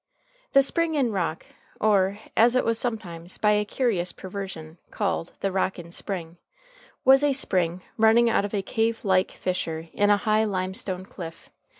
The Spring in rock, or, as it was sometimes, by a curious perversion, called, the "rock in spring," was a spring running out of a cave like fissure in a high limestone cliff.